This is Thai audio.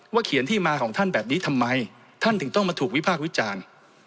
เขียนที่มาของท่านแบบนี้ทำไมท่านถึงต้องมาถูกวิพากษ์วิจารณ์